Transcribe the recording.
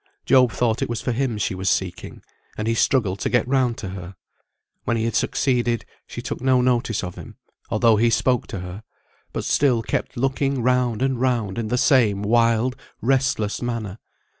Job thought it was for him she was seeking, and he struggled to get round to her. When he had succeeded, she took no notice of him, although he spoke to her, but still kept looking round and round in the same wild, restless manner.